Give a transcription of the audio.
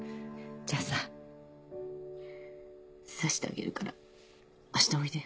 じゃあさ刺してあげるから明日おいで。